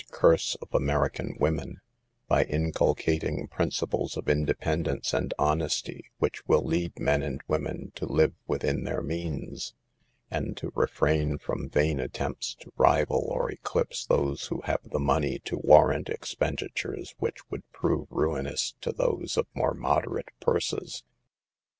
39 curse of American women, by inculcating principles of independence and honesty which will lead men and women to live within their means, and to refrain from vain attempts to rival or eclipse those who have the money to" warrant expenditures which would prove ruin ous to those of more moderate purses.